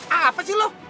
apa sih lu